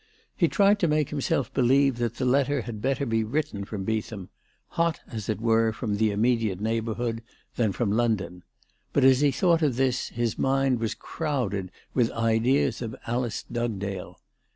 He tried to make himself believe that the letter had better be written from Beetham, hot, as it were, from the immediate neighbourhood, than from London ; but, as he thought of this, his mind was crowded with ideas of Alice Dugdale.